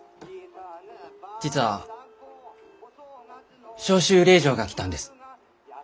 実は召集令状が来たんです。